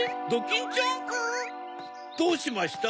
ん？どうしました？